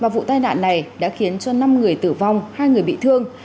vụ tai nạn này đã khiến cho năm người tử vong hai người bị thương